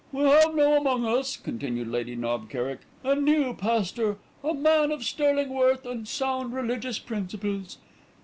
"We have now among us," continued Lady Knob Kerrick, "a new pastor, a man of sterling worth and sound religious principles.